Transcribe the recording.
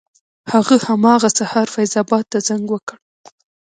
هغه همغه سهار فیض اباد ته زنګ وکړ.